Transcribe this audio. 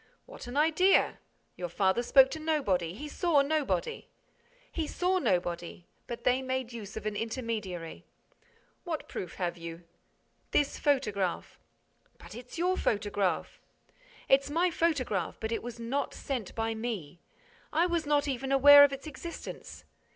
"What an idea! Your father spoke to nobody. He saw nobody." "He saw nobody, but they made use of an intermediary." "What proof have you?" "This photograph." "But it's your photograph!" "It's my photograph, but it was not sent by me. I was not even aware of its existence.